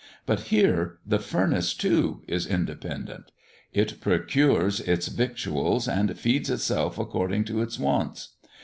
But here the furnace, too, is independent: it procures its victuals, and feeds itself according to its wants.